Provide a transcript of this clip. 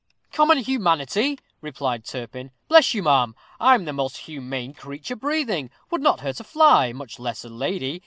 "Common humanity!" replied Turpin: "bless you, ma'am, I'm the most humane creature breathing would not hurt a fly, much less a lady.